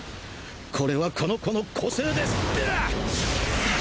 これはこの子の「個性」です。